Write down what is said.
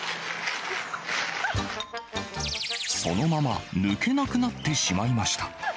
そのまま抜けなくなってしまいました。